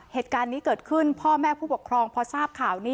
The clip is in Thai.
เหตุการณ์นี้เกิดขึ้นพ่อแม่ผู้ปกครองพอทราบข่าวนี้